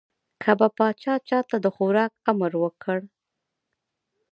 که به پاچا چا ته د خوراک امر وکړ.